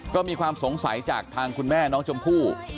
ก็มีความสงสัยจากทางคุณแม่น้องชมพู่